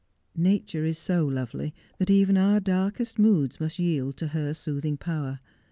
Nature is so lovely that even our darkest moods must yield to her soothing power.